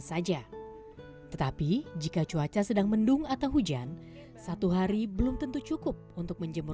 sampai sekarang belum bisa memenuhi kepinginan cimbok